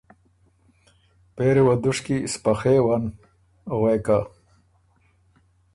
پېری وه دُشکی سپخېون، غوېکه